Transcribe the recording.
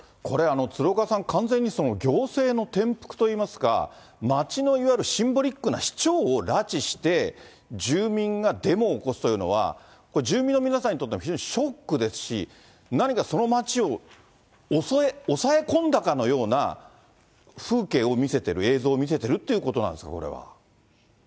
これ、鶴岡さん、完全に行政の転覆といいますか、町のいわゆるシンボリックな市長を拉致して、住民がデモを起こすというのは、これ、住民の皆さんにとっても非常にショックですし、何かその町を押さえ込んだかのような風景を見せてる、映像を見せてるっていうことなんですか、これは。